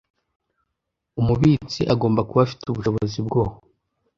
Umubitsi agomba kuba afite ubushobozi bwo